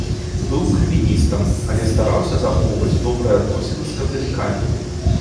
Быў кальвіністам, але стараўся захоўваць добрыя адносіны з каталікамі.